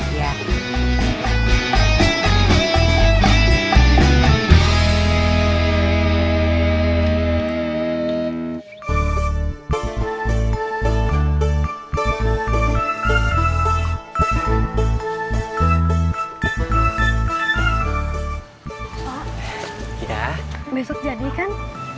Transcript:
pak besok jadi kan